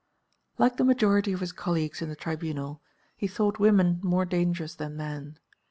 Like the majority of his colleagues in the Tribunal, he thought women more dangerous than men.